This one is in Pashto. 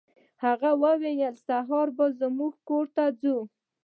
هغه وویل سهار به زموږ کور ته ځو.